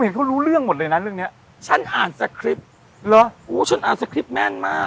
เห็นเขารู้เรื่องหมดเลยนะเรื่องเนี้ยฉันอ่านสคริปต์เหรอโอ้ฉันอ่านสคริปต์แม่นมาก